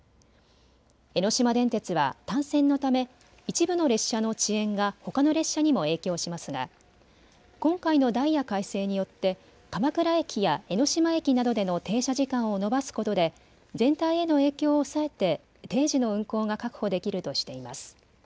江ノ島電鉄は単線のため一部の列車の遅延がほかの列車にも影響しますが今回のダイヤ改正によって鎌倉駅や江ノ島駅などでの停車時間を延ばすことで全体への影響を抑えて定時の運行が確保できるとしています。